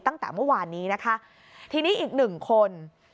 ตั้งแต่เมื่อวานนี้นะคะทีนี้อีกหนึ่งคน